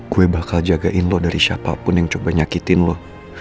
gue bakal jagain lo dari siapapun yang coba nyakitin lo